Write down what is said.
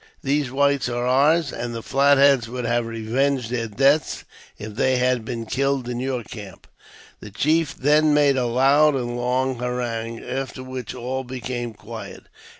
These whites are ours, and the Flat Heads would have revenged their deaths if they had been killed in your camp." The chief then made a loud and long harangue, after which all became quiet.